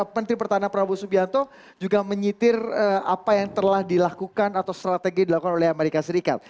menteri pertahanan prabowo subianto juga menyitir apa yang telah dilakukan atau strategi dilakukan oleh amerika serikat